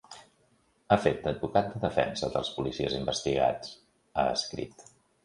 Ha fet d’advocat de defensa dels policies investigats, ha escrit.